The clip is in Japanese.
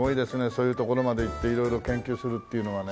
そういう所まで行って色々研究するっていうのはね。